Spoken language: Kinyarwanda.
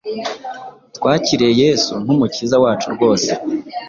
twakiriye Yesu nk’umukiza wacu rwose,